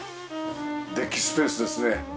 デッキスペースですね。